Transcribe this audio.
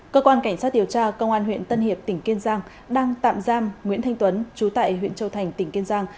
cơ quan cảnh sát điều tra công an huyện tân hiệp tỉnh kiên giang đang tạm giam nguyễn thanh tuấn chú tại huyện châu thành tỉnh kiên giang